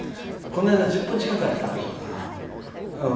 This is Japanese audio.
この間１０分近くかかった。